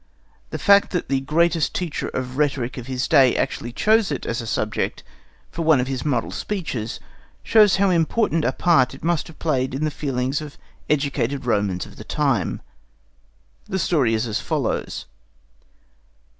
The fact that the greatest teacher of rhetoric of his day actually chose it as a subject for one of his model speeches shows how important a part it must have played in the feelings of educated Romans of the time. The story is as follows.